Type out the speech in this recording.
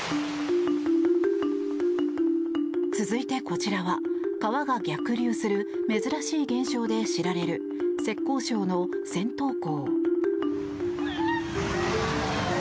続いて、こちらは川が逆流する珍しい現象で知られる浙江省の銭塘江。